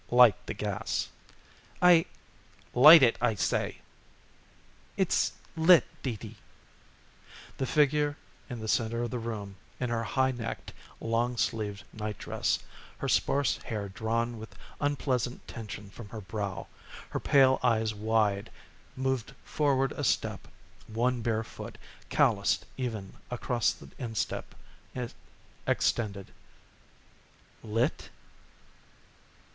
"Light the gas." "I " "Light it, I say." "It's lit, Dee Dee." The figure in the center of the room, in her high necked, long sleeved nightdress, her sparse hair drawn with unpleasant tension from her brow, her pale eyes wide, moved forward a step, one bare foot, calloused even across the instep, extended. "Lit?"